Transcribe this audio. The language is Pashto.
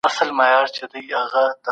سیال هیواد نظامي مداخله نه غواړي.